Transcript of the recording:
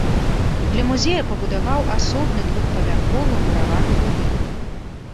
Для музея пабудаваў асобны двухпавярховы мураваны будынак.